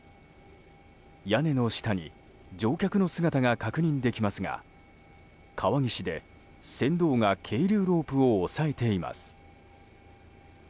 屋根の下に乗客の姿が確認できますが川岸で船頭が係留ロープを押さえています。